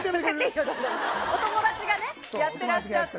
お友達がやってらっしゃって。